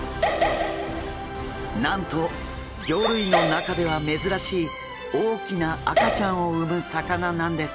なんと魚類の中では珍しい大きな赤ちゃんを産む魚なんです。